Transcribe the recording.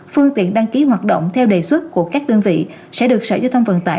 phương tiện đăng ký hoạt động theo đề xuất của các đơn vị sẽ được sở giao thông vận tải